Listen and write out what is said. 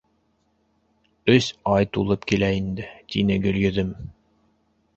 — Өс ай тулып килә инде, — тине Гөлйөҙөм.